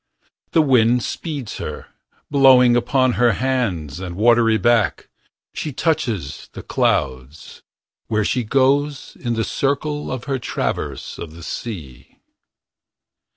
The wind speeds her. Blowing upon her hands And watery back. She touches the clouds, where she goes. In the circle of her traverse of the sea.